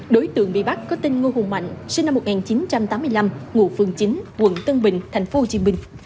đối tượng bị bắt có tên ngô hùng mạnh sinh năm một nghìn chín trăm tám mươi năm ngụ phường chín quận tân bình tp hcm